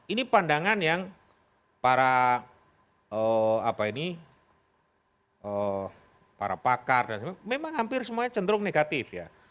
ini pandangan yang para apa ini para pakar dan semua memang hampir semuanya cenderung negatif ya